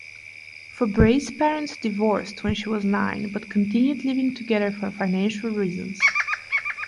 Fabray's parents divorced when she was nine, but continued living together for financial reasons.